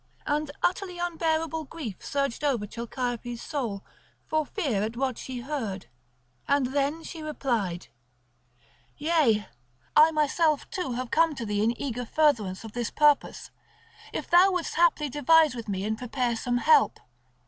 And utterly unbearable grief surged over Chalciope's soul for fear at what she heard; and then she replied: "Yea, I myself too have come to thee in eager furtherance of this purpose, if thou wouldst haply devise with me and prepare some help.